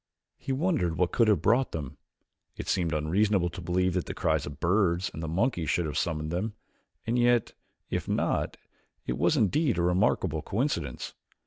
He wondered what could have brought them. It seemed unreasonable to believe that the cries of the birds and the monkeys should have summoned them, and yet, if not, it was indeed a remarkable coincidence.